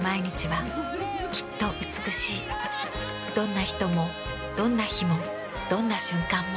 どんな人もどんな日もどんな瞬間も。